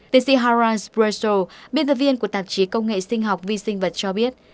tiến sĩ harald sprecher biên tập viên của tạp chí công nghệ sinh học vi sinh vật cho biết